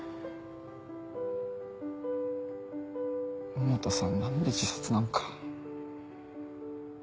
百田さん何で自殺なんか。